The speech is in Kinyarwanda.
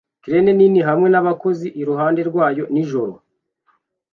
Crane nini hamwe nabakozi iruhande rwayo nijoro